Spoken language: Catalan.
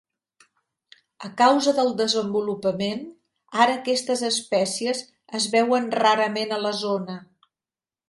A causa del desenvolupament, ara aquestes espècies es veuen rarament a la zona.